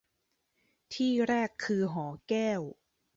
ที่แรกคือหอแก้ว